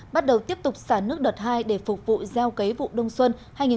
bắt đầu tiếp tục xả nước đợt hai để phục vụ giao cấy vụ đông xuân hai nghìn một mươi chín hai nghìn hai mươi